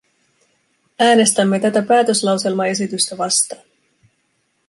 Äänestämme tätä päätöslauselmaesitystä vastaan.